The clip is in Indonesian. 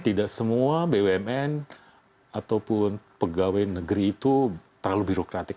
tidak semua bumn ataupun pegawai negeri itu terlalu birokratik